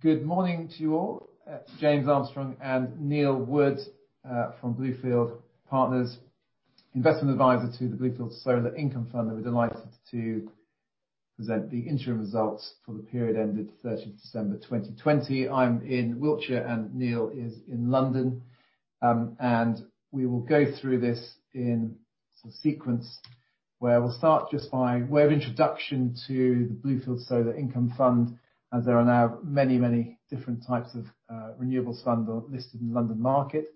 Good morning to you all. It's James Armstrong and Neil Wood from Bluefield Partners, investment advisor to the Bluefield Solar Income Fund. We're delighted to present the interim results for the period ended 30th December 2020. I'm in Wiltshire and Neil is in London. We will go through this in sequence, where we'll start just by way of introduction to the Bluefield Solar Income Fund, as there are now many, many different types of renewables fund listed in the London market.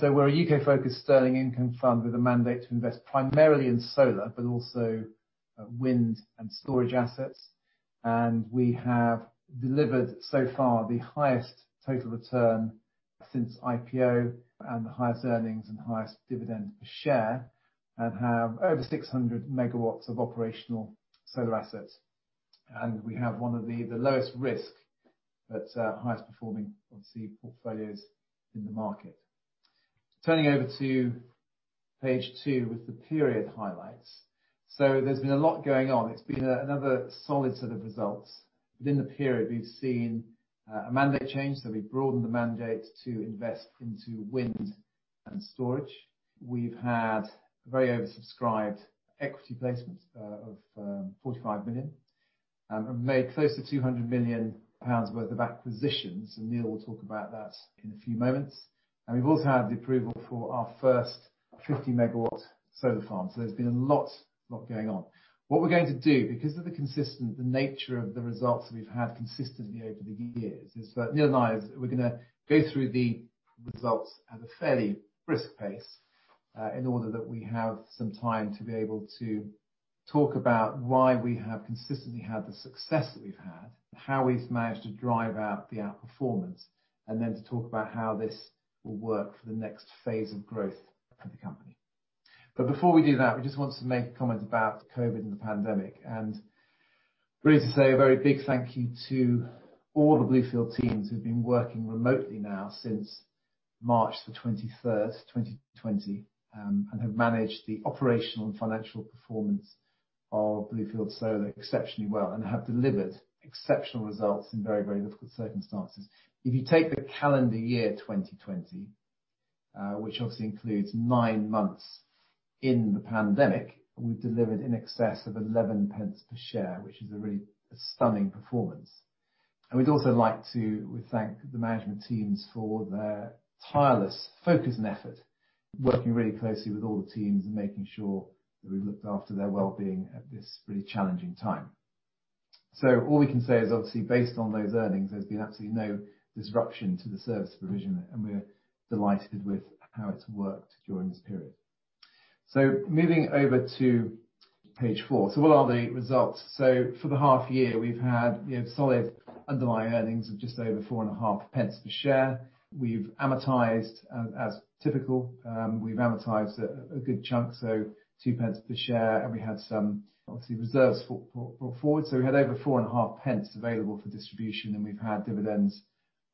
So we're a U.K.-focused sterling income fund with a mandate to invest primarily in solar, but also wind and storage assets. We have delivered so far the highest total return since IPO and the highest earnings and highest dividend per share, and have over 600 MW of operational solar assets. We have one of the lowest risk, but highest performing, obviously, portfolios in the market. Turning over to page two with the period highlights. There's been a lot going on. It's been another solid set of results. Within the period, we've seen a mandate change, so we've broadened the mandate to invest into wind and storage. We've had very oversubscribed equity placements of 45 million. Made close to 200 million pounds worth of acquisitions, and Neil will talk about that in a few moments. We've also had the approval for our first 50 MW solar farm. There's been a lot going on. What we're going to do, because of the consistent, the nature of the results that we've had consistently over the years, is that Neil and I, we're going to go through the results at a fairly brisk pace in order that we have some time to be able to talk about why we have consistently had the success that we've had, how we've managed to drive out the outperformance, and then to talk about how this will work for the next phase of growth for the company. Before we do that, we just want to make a comment about COVID and the pandemic. We need to say a very big thank you to all the Bluefield teams who've been working remotely now since March 21st, 2020, and have managed the operational and financial performance of Bluefield Solar exceptionally well and have delivered exceptional results in very, very difficult circumstances. If you take the calendar year 2020, which obviously includes nine months in the pandemic, we've delivered in excess of 0.11 per share, which is a really stunning performance. We'd also like to thank the management teams for their tireless focus and effort, working really closely with all the teams and making sure that we've looked after their wellbeing at this really challenging time. All we can say is, obviously, based on those earnings, there's been absolutely no disruption to the service provision, and we're delighted with how it's worked during this period. Moving over to page four. What are the results? For the half year, we've had solid underlying earnings of just over 0.045 per share. We've amortized, as typical, a good chunk, so 0.02 per share, and we had some obviously reserves brought forward. We had over 0.045 available for distribution and we've had dividends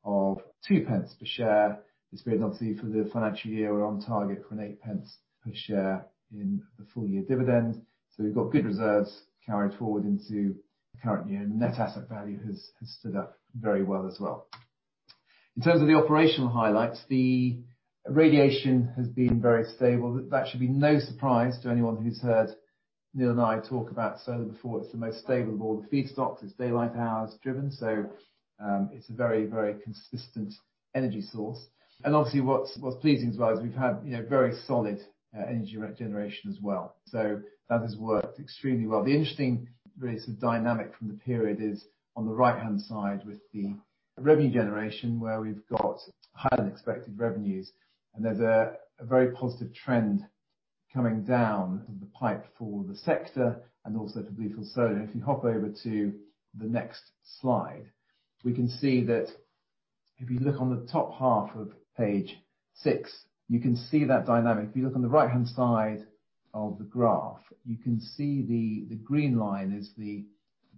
of 0.02 per share. This period, obviously, for the financial year, we're on target for an 0.08 per share in the full year dividend. We've got good reserves carried forward into the current year. Net asset value has stood up very well as well. In terms of the operational highlights, the radiation has been very stable. That should be no surprise to anyone who's heard Neil and I talk about solar before. It's the most stable of all the feedstocks. It's daylight hours driven. It's a very consistent energy source. Obviously, what's pleasing as well is we've had very solid energy generation as well. That has worked extremely well. The interesting dynamic from the period is on the right-hand side with the revenue generation where we've got higher than expected revenues, and there's a very positive trend coming down the pipe for the sector and also for Bluefield Solar. Hop over to the next slide, we can see that if you look on the top half of page six, you can see that dynamic. Look on the right-hand side of the graph, you can see the green line is the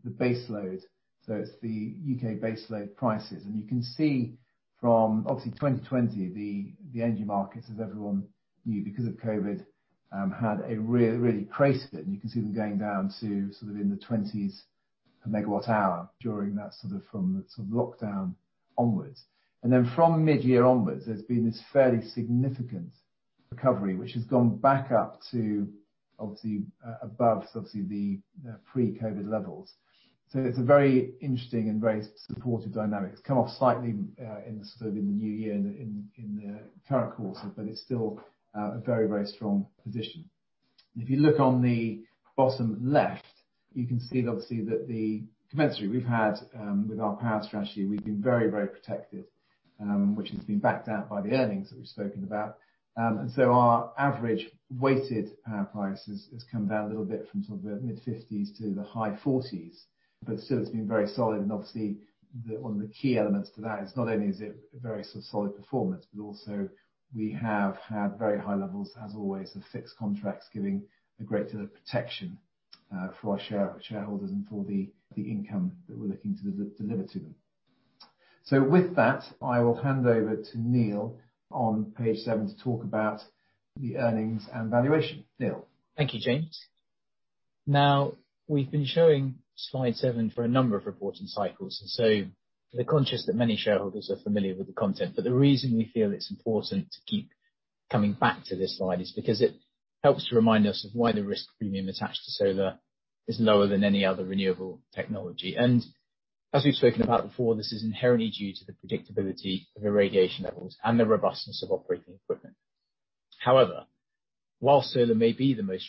baseload. It's the U.K. baseload prices. You can see from obviously 2020, the energy markets, as everyone knew because of COVID-19, had a really crazy bit. You can see them going down to in the 20s per megawatt hour during that sort of from the lockdown onwards. Then from mid-year onwards, there's been this fairly significant recovery, which has gone back up to obviously above the pre-COVID levels. It's a very interesting and very supportive dynamic. It's come off slightly in the new year in the current quarter, but it's still a very, very strong position. If you look on the bottom left, you can see, obviously, that the commensurate we've had with our power strategy, we've been very, very protected, which has been backed up by the earnings that we've spoken about. Our average weighted power price has come down a little bit from the mid-50s to the high 40s, but still it's been very solid and obviously one of the key elements to that is not only is it a very solid performance, but also we have had very high levels, as always, of fixed contracts giving a great deal of protection for our shareholders and for the income that we're looking to deliver to them. With that, I will hand over to Neil on page seven to talk about the earnings and valuation. Neil. Thank you, James. Now, we've been showing slide seven for a number of reporting cycles, and so we're conscious that many shareholders are familiar with the content. The reason we feel it's important to keep coming back to this slide is because it helps to remind us of why the risk premium attached to solar is lower than any other renewable technology. As we've spoken about before, this is inherently due to the predictability of irradiation levels and the robustness of operating equipment. However, while solar may be the most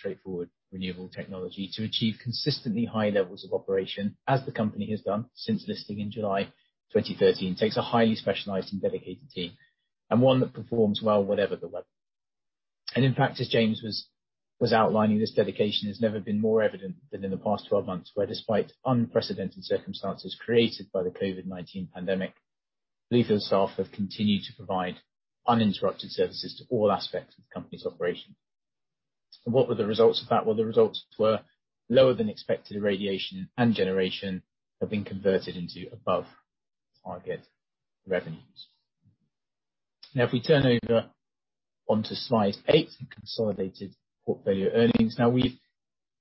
straightforward renewable technology to achieve consistently high levels of operation, as the company has done since listing in July 2013, takes a highly specialized and dedicated team, and one that performs well whatever the weather. In practice, James was outlining this dedication has never been more evident than in the past 12 months, where, despite unprecedented circumstances created by the COVID-19 pandemic, Bluefield staff have continued to provide uninterrupted services to all aspects of the company's operation. What were the results of that? Well, the results were lower than expected irradiation and generation have been converted into above target revenues. If we turn over onto slide eight, Consolidated Portfolio Earnings.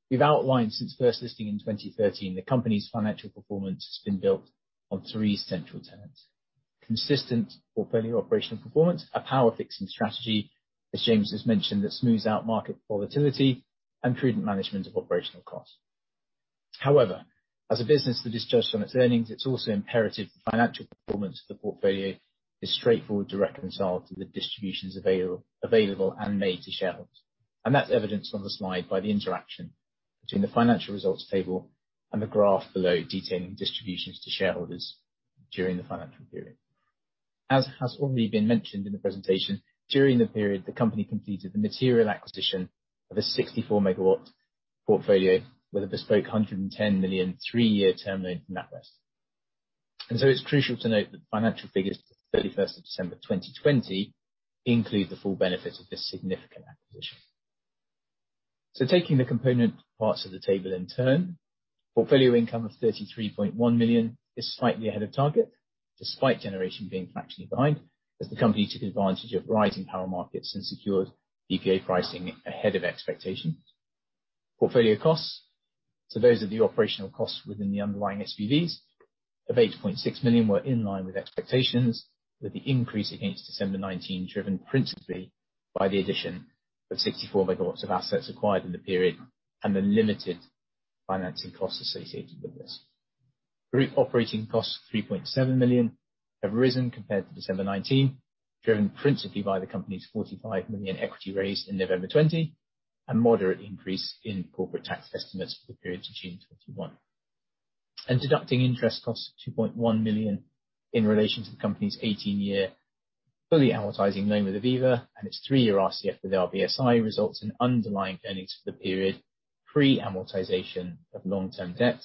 We've outlined since first listing in 2013, the company's financial performance has been built on three central tenets. Consistent portfolio operational performance, a power fixing strategy, as James has mentioned, that smooths out market volatility and prudent management of operational costs. As a business that is judged on its earnings, it's also imperative the financial performance of the portfolio is straightforward to reconcile to the distributions available and made to shareholders. That's evidenced on the slide by the interaction between the financial results table and the graph below, detailing distributions to shareholders during the financial period. As has already been mentioned in the presentation, during the period, the company completed the material acquisition of a 64 MW portfolio with a bespoke 110 million three-year term loan from NatWest. It's crucial to note that the financial figures at 31st of December 2020 include the full benefit of this significant acquisition. Taking the component parts of the table in turn, portfolio income of 33.1 million is slightly ahead of target, despite generation being fractionally behind as the company took advantage of rising power markets and secured PPA pricing ahead of expectations. Portfolio costs, so those are the operational costs within the underlying SPVs of 8.6 million were in line with expectations, with the increase against December 2019 driven principally by the addition of 64 MW of assets acquired in the period and the limited financing costs associated with this. Group operating costs, 3.7 million, have risen compared to December 2019, driven principally by the company's 45 million equity raise in November 2020 and moderate increase in corporate tax estimates for the period to June 2021. Deducting interest costs of 2.1 million in relation to the company's 18-year fully amortizing loan with Aviva and its three-year RCF with RBSI results in underlying earnings for the period, pre-amortization of long-term debt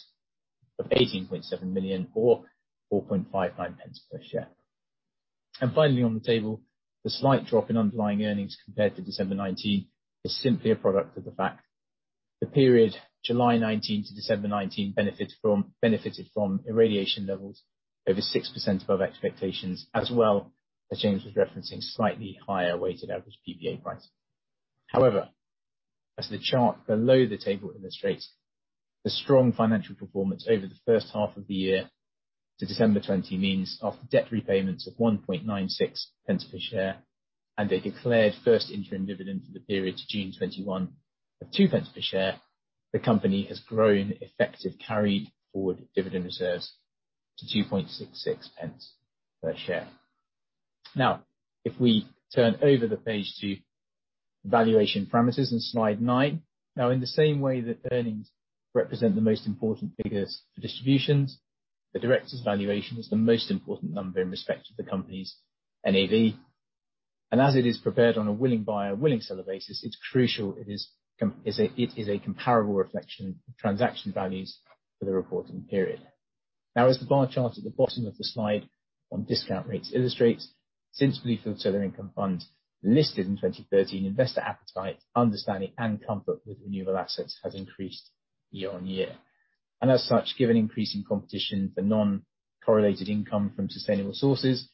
of 18.7 million or 0.0459 per share. Finally, on the table, the slight drop in underlying earnings compared to December 2019 is simply a product of the fact the period July 2019 to December 2019 benefited from irradiation levels over 6% above expectations, as well as James was referencing, slightly higher weighted average PPA price. As the chart below the table illustrates, the strong financial performance over the first half of the year to December 2020 means after debt repayments of 0.0196 per share and a declared first interim dividend for the period to June 2021 of 0.02 per share, the company has grown effective carried forward dividend reserves to 0.0266 per share. If we turn over the page to valuation parameters in slide nine. Now, in the same way that earnings represent the most important figures for distributions, the director's valuation is the most important number in respect of the company's NAV. As it is prepared on a willing buyer, willing seller basis, it's crucial it is a comparable reflection of transaction values for the reporting period. Now, as the bar chart at the bottom of the slide on discount rates illustrates, since Bluefield Solar Income Fund listed in 2013, investor appetite, understanding and comfort with renewable assets has increased year on year. As such, given increasing competition for non-correlated income from sustainable sources,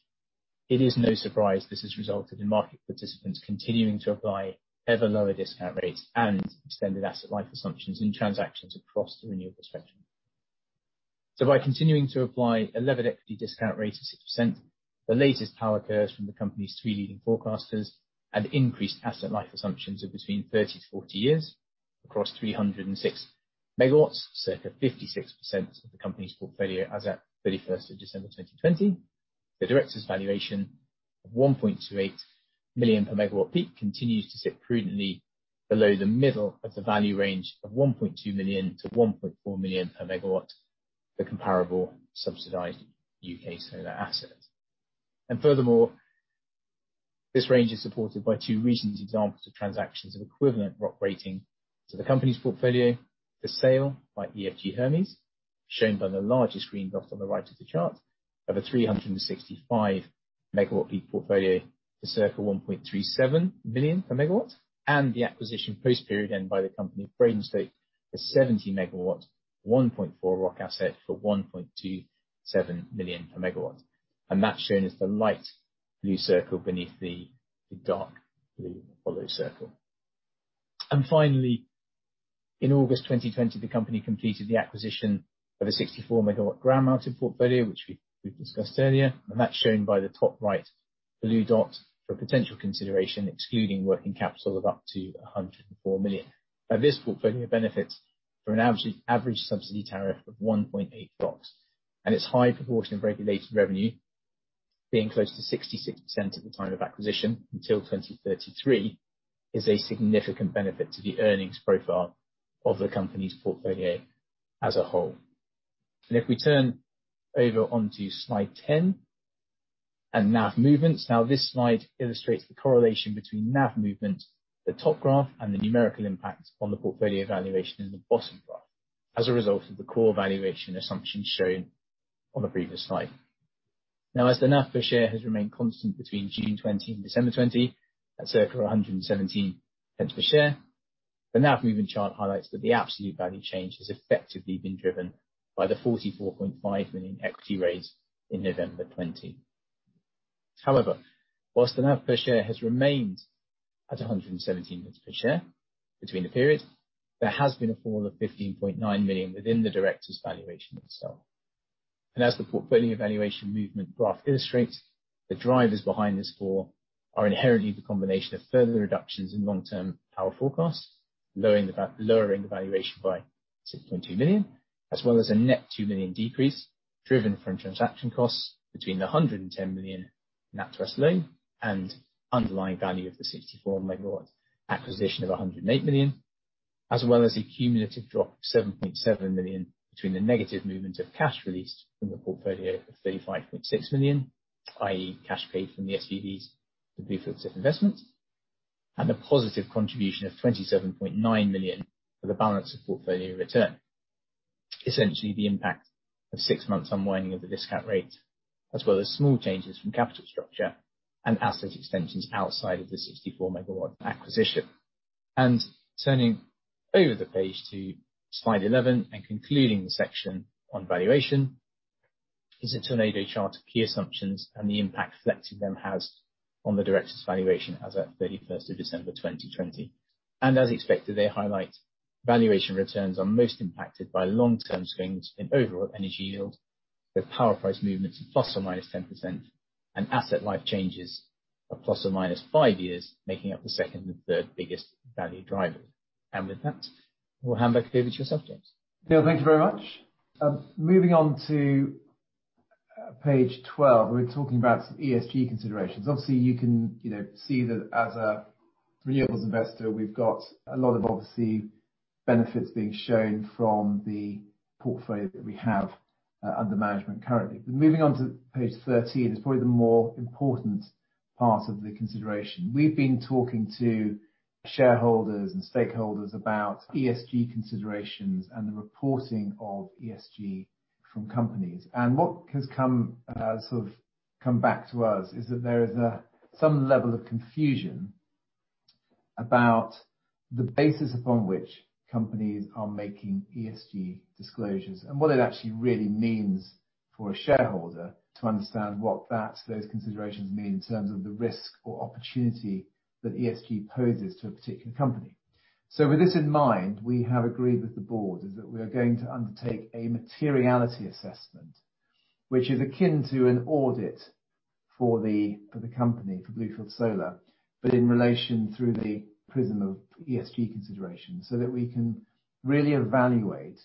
it is no surprise this has resulted in market participants continuing to apply ever lower discount rates and extended asset life assumptions in transactions across the renewable spectrum. By continuing to apply a levered equity discount rate of 6%, the latest power curves from the company's three leading forecasters and increased asset life assumptions of between 30-40 years across 306 MW, circa 56% of the company's portfolio as at 31st of December 2020. The directors valuation of 1.28 million per megawatt peak continues to sit prudently below the middle of the value range of 1.2 million-1.4 million per megawatt for comparable subsidized U.K. solar assets. Furthermore, this range is supported by two recent examples of transactions of equivalent ROC rating to the company's portfolio for sale by EFG Hermes, shown by the largest green dot on the right of the chart of a 365 MW peak portfolio to circa 1.37 million per megawatt, and the acquisition post period end by the company of Bradenstoke for 70 MW, 1.4 ROC asset for 1.27 million per megawatt. That's shown as the light blue circle beneath the dark blue hollow circle. Finally, in August 2020, the company completed the acquisition of a 64 MW ground mounted portfolio, which we've discussed earlier, and that's shown by the top right blue dot for potential consideration, excluding working capital of up to 104 million. This portfolio benefits from an average subsidy tariff of 1.8 ROCs, and its high proportion of regulated revenue being close to 66% at the time of acquisition, until 2033, is a significant benefit to the earnings profile of the company's portfolio as a whole. If we turn over onto slide 10, and NAV movements. This slide illustrates the correlation between NAV movement, the top graph, and the numerical impact on the portfolio valuation in the bottom graph, as a result of the core valuation assumptions shown on the previous slide. As the NAV per share has remained constant between June 2020 and December 2020, at circa 1.17 per share. The NAV movement chart highlights that the absolute value change has effectively been driven by the 44.5 million equity raise in November 2020. Whilst the NAV per share has remained at 1.17 per share between the periods, there has been a fall of 15.9 million within the director's valuation itself. As the portfolio valuation movement graph illustrates, the drivers behind this fall are inherently the combination of further reductions in long-term power forecasts, lowering the valuation by 6.2 million, as well as a net 2 million decrease driven from transaction costs between the 110 million NatWest loan and underlying value of the 64 MW acquisition of 108 million. As well as a cumulative drop of 7.7 million between the negative movement of cash released from the portfolio of 35.6 million, i.e., cash paid from the SPVs to Bluefield's investments, and the positive contribution of 27.9 million for the balance of portfolio return. Essentially, the impact of six months unwinding of the discount rate, as well as small changes from capital structure and asset extensions outside of the 64 MW acquisition. Turning over the page to slide 11 and concluding the section on valuation, is a tornado chart of key assumptions and the impact flexing them has on the director's valuation as at 31st of December 2020. As expected, they highlight valuation returns are most impacted by long-term swings in overall energy yield, with power price movements of ±10%, and asset life changes of ±5 years making up the second and third biggest value drivers. With that, I will hand back over to yourself, James. Neil, thank you very much. Moving on to page 12. We're talking about some ESG considerations. Obviously, you can see that as a renewables investor, we've got a lot of obvious benefits being shown from the portfolio that we have under management currently. Moving on to page 13 is probably the more important part of the consideration. We've been talking to shareholders and stakeholders about ESG considerations and the reporting of ESG from companies. What has come back to us is that there is some level of confusion about the basis upon which companies are making ESG disclosures and what it actually really means for a shareholder to understand what those considerations mean in terms of the risk or opportunity that ESG poses to a particular company. With this in mind, we have agreed with the board is that we are going to undertake a materiality assessment, which is akin to an audit for the company, for Bluefield Solar, but in relation through the prism of ESG considerations, so that we can really evaluate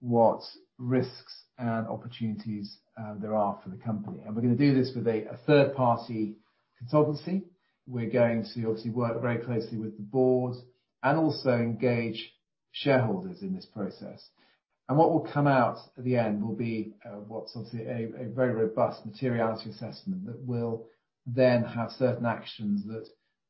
what risks and opportunities there are for the company. We're going to do this with a third-party consultancy. We're going to obviously work very closely with the board and also engage shareholders in this process. What will come out at the end will be what's obviously a very robust materiality assessment that will then have certain actions that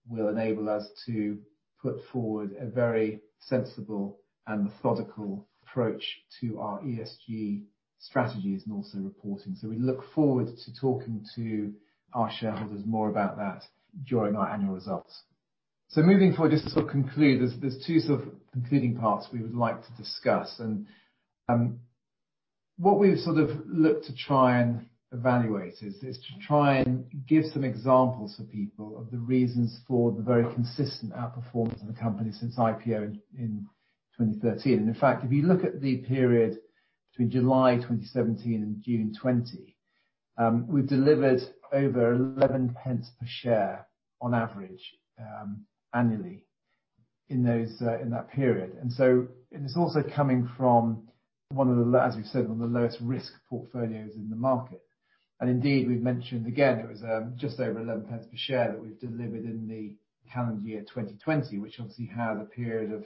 will enable us to put forward a very sensible and methodical approach to our ESG strategies and also reporting. We look forward to talking to our shareholders more about that during our annual results. Moving forward, just to conclude, there's two concluding parts we would like to discuss. What we've looked to try and evaluate is to try and give some examples for people of the reasons for the very consistent outperformance of the company since IPO in 2013. In fact, if you look at the period between July 2017 and June 2020, we've delivered over 0.11 per share on average, annually in that period. It is also coming from, as we've said, one of the lowest risk portfolios in the market. Indeed, we've mentioned again, it was just over 0.11 per share that we've delivered in the calendar year 2020, which obviously had a period of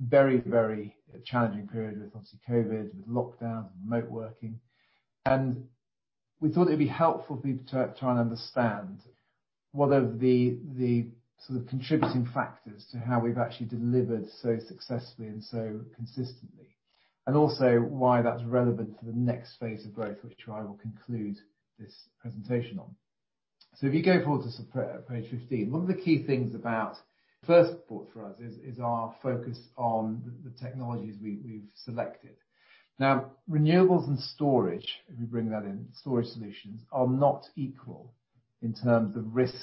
very challenging period with obviously COVID, with lockdowns and remote working. We thought it would be helpful for people to try and understand what are the sort of contributing factors to how we have actually delivered so successfully and so consistently, and also why that is relevant for the next phase of growth, which I will conclude this presentation on. If you go forward to page 15, one of the key things about first point for us is our focus on the technologies we have selected. Renewables and storage, if we bring that in, storage solutions, are not equal in terms of risk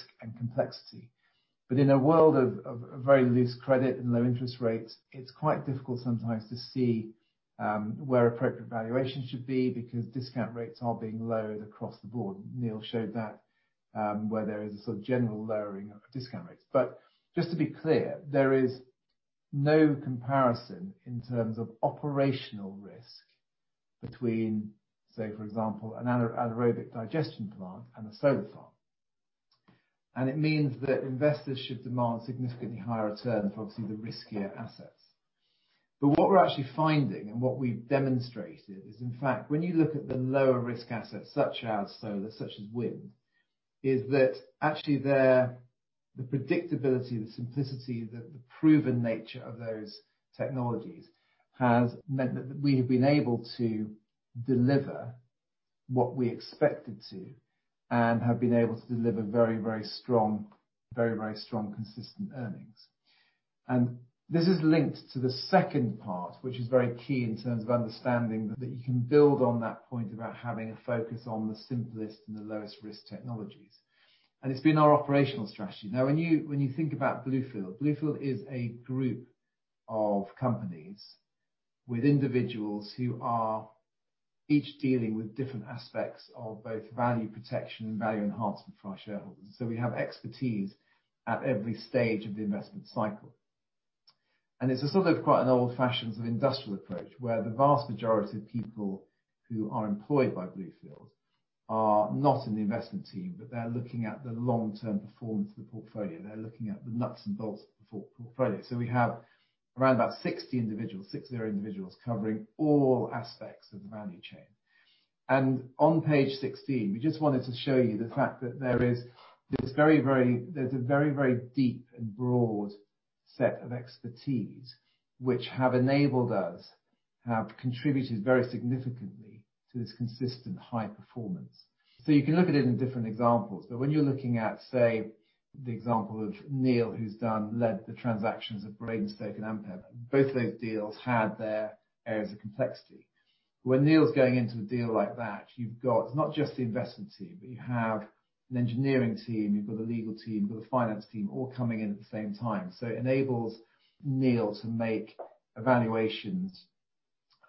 and complexity. In a world of very loose credit and low interest rates, it is quite difficult sometimes to see where appropriate valuations should be because discount rates are being lowered across the board. Neil showed that, where there is a sort of general lowering of discount rates. Just to be clear, there is no comparison in terms of operational risk between, say, for example, an anaerobic digestion plant and a solar farm. It means that investors should demand significantly higher returns for obviously the riskier assets. What we're actually finding and what we've demonstrated is, in fact, when you look at the lower risk assets such as solar, such as wind, is that actually the predictability, the simplicity, the proven nature of those technologies has meant that we have been able to deliver what we expected to and have been able to deliver very strong, consistent earnings. This is linked to the second part, which is very key in terms of understanding that you can build on that point about having a focus on the simplest and the lowest risk technologies. It's been our operational strategy. When you think about Bluefield is a group of companies with individuals who are each dealing with different aspects of both value protection and value enhancement for our shareholders. We have expertise at every stage of the investment cycle. It's a sort of quite an old-fashioned industrial approach, where the vast majority of people who are employed by Bluefield are not in the investment team, but they're looking at the long-term performance of the portfolio. They're looking at the nuts and bolts of the portfolio. We have around about 60 individuals, 60 individuals covering all aspects of the value chain. On page 16, we just wanted to show you the fact that there's a very, very deep and broad set of expertise which have enabled us, have contributed very significantly to this consistent high performance. You can look at it in different examples, but when you're looking at, say, the example of Neil, who's led the transactions of Bradenstoke and Ample, both those deals had their areas of complexity. When Neil's going into a deal like that, you've got not just the investment team, but you have an engineering team, you've got a legal team, you've got a finance team, all coming in at the same time. It enables Neil to make evaluations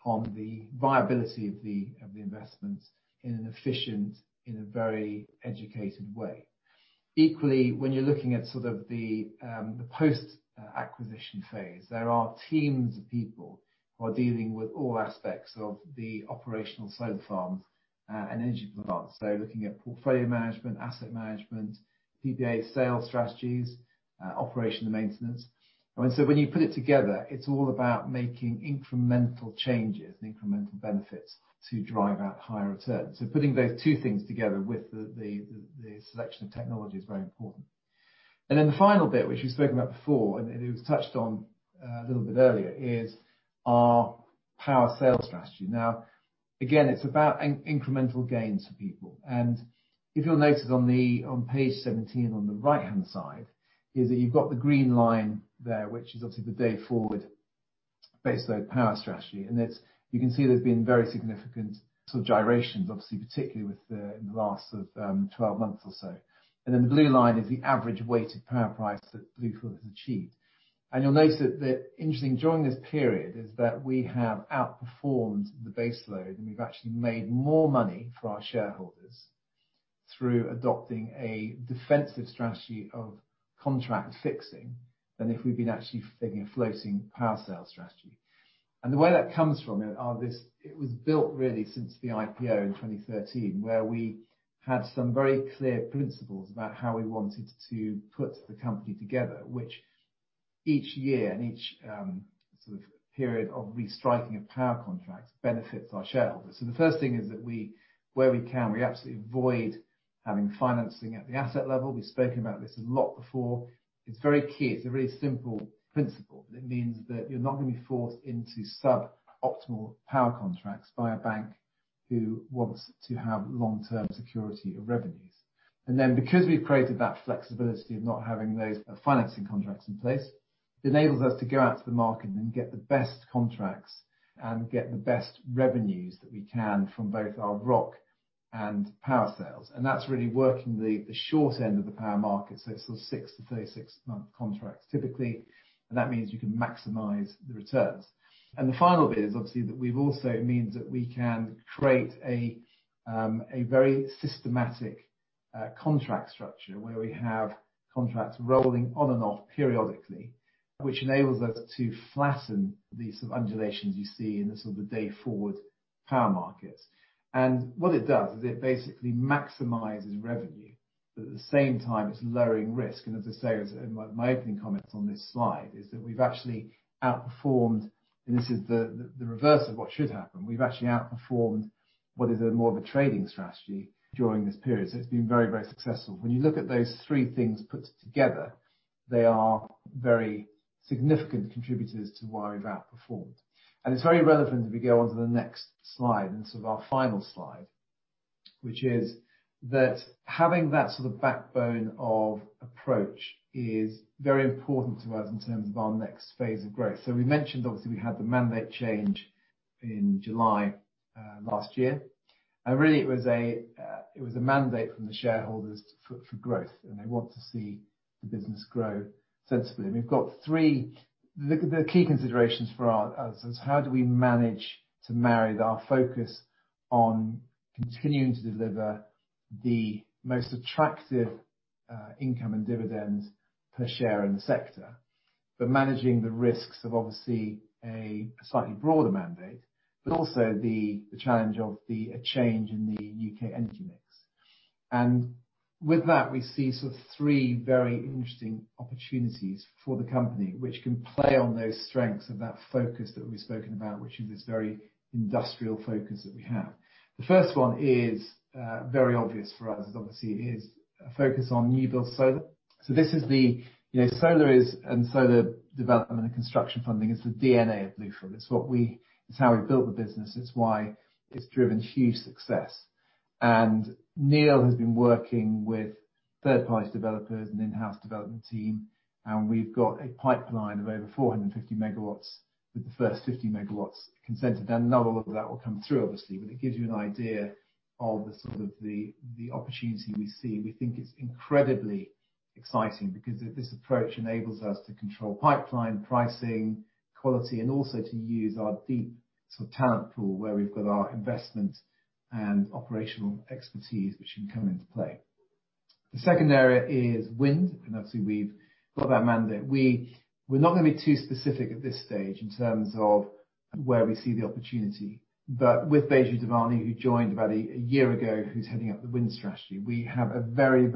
on the viability of the investments in an efficient, in a very educated way. Equally, when you're looking at the post-acquisition phase, there are teams of people who are dealing with all aspects of the operational solar farms and energy plants. Looking at portfolio management, asset management, PPA sales strategies, operational maintenance. When you put it together, it's all about making incremental changes and incremental benefits to drive out higher returns. Putting those two things together with the selection of technology is very important. The final bit, which we've spoken about before, and it was touched on a little bit earlier, is our power sales strategy. Again, it's about incremental gains for people. If you'll notice on page 17, on the right-hand side, is that you've got the green line there, which is obviously the day-forward baseload power strategy. You can see there's been very significant sort of gyrations, obviously, particularly in the last 12 months or so. The blue line is the average weighted power price that Bluefield has achieved. You'll notice that interesting during this period is that we have outperformed the baseload, and we've actually made more money for our shareholders through adopting a defensive strategy of contract fixing than if we'd been actually taking a floating power sales strategy. Where that comes from are this, it was built really since the IPO in 2013, where we had some very clear principles about how we wanted to put the company together, which each year and each period of restriking of power contracts benefits our shareholders. The first thing is that where we can, we absolutely avoid having financing at the asset level. We've spoken about this a lot before. It's very key. It's a really simple principle that means that you're not going to be forced into sub-optimal power contracts by a bank who wants to have long-term security of revenues. Because we've created that flexibility of not having those financing contracts in place, it enables us to go out to the market and get the best contracts and get the best revenues that we can from both our ROC and power sales. That's really working the short end of the power market, so it's 6-36 month contracts typically, and that means you can maximize the returns. The final bit is obviously that we've also means that we can create a very systematic contract structure where we have contracts rolling on and off periodically, which enables us to flatten the undulations you see in the day-forward power markets. What it does is it basically maximizes revenue. At the same time, it's lowering risk. As I say, my opening comments on this slide is that we've actually outperformed, and this is the reverse of what should happen. We've actually outperformed what is more of a trading strategy during this period. It's been very successful. When you look at those three things put together, they are very significant contributors to why we've outperformed. It's very relevant as we go on to the next slide and sort of our final slide, which is that having that sort of backbone of approach is very important to us in terms of our next phase of growth. We mentioned, obviously, we had the mandate change in July last year, and really it was a mandate from the shareholders for growth, and they want to see the business grow sensibly. The key considerations for us is how do we manage to marry our focus on continuing to deliver the most attractive income and dividends per share in the sector, but managing the risks of obviously a slightly broader mandate, but also the challenge of the change in the U.K. energy mix. With that, we see three very interesting opportunities for the company, which can play on those strengths of that focus that we've spoken about, which is this very industrial focus that we have. The first one is very obvious for us, obviously, it is a focus on new build solar. Solar is, and solar development and construction funding is the DNA of Bluefield. It's how we built the business. It's why it's driven huge success. Neil has been working with third-party developers and in-house development team, and we've got a pipeline of over 450 MW with the first 50 MW consented. Not all of that will come through, obviously, but it gives you an idea of the sort of the opportunity we see. We think it's incredibly exciting because this approach enables us to control pipeline pricing, quality, and also to use our deep talent pool, where we've got our investment and operational expertise which can come into play. The second area is wind. Obviously, we've got that mandate. We're not going to be too specific at this stage in terms of where we see the opportunity. With Baiju Devani, who joined about a year ago, who's heading up the wind strategy, we have a very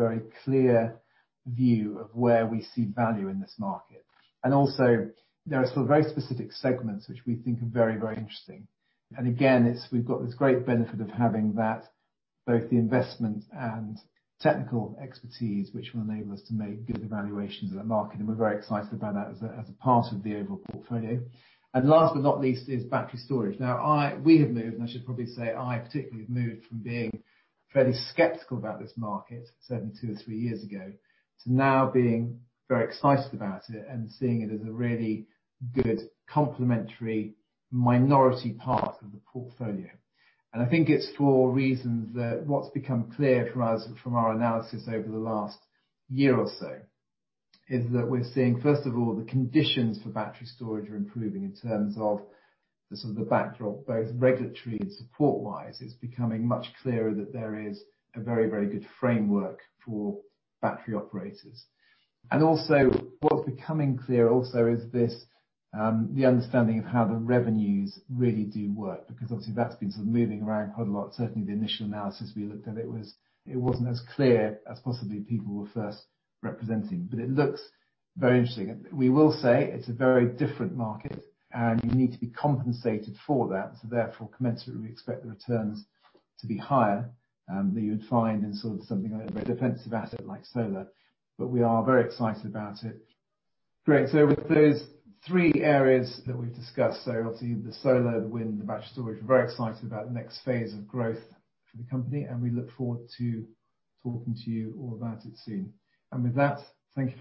clear view of where we see value in this market. Also, there are some very specific segments which we think are very interesting. Again, we've got this great benefit of having both the investment and technical expertise which will enable us to make good evaluations of that market. We're very excited about that as a part of the overall portfolio. Last but not least, is battery storage. Now, we have moved, and I should probably say I particularly have moved from being fairly skeptical about this market certainly two or three years ago, to now being very excited about it and seeing it as a really good complementary minority part of the portfolio. I think it's for reasons that what's become clear for us from our analysis over the last year or so is that we're seeing, first of all, the conditions for battery storage are improving in terms of the sort of the backdrop, both regulatory and support-wise. It's becoming much clearer that there is a very good framework for battery operators. Also what's becoming clear also is the understanding of how the revenues really do work, because obviously that's been sort of moving around quite a lot. Certainly, the initial analysis we looked at, it wasn't as clear as possibly people were first representing, but it looks very interesting. We will say it's a very different market, and you need to be compensated for that. Therefore, commensurately, we expect the returns to be higher than you would find in sort of something like a very defensive asset like solar, but we are very excited about it. Great. With those three areas that we've discussed, so obviously the solar, the wind, the battery storage, we're very excited about the next phase of growth for the company, and we look forward to talking to you all about it soon. With that, thank you, Philip.